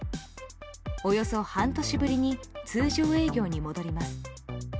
およそ半年ぶりに通常営業に戻ります。